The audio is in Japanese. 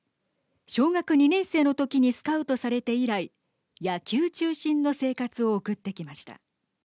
小学２年生の時にスカウトされて以来野球中心の生活を送ってきました。